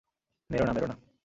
মেরো না, মেরো না!